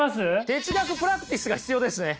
哲学プラクティスが必要ですね！